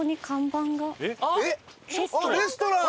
あっレストラン！